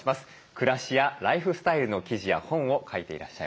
暮らしやライフスタイルの記事や本を書いていらっしゃいます